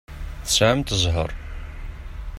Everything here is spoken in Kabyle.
Tesɛamt zzheṛ.